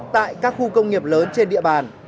tại các khu công nghiệp lớn trên địa bàn